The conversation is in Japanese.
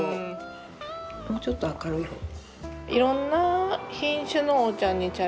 もうちょっと明るい方が。